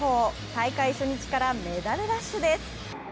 大会初日からメダルラッシュです。